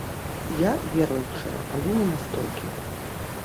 Я веруючая, але не настолькі.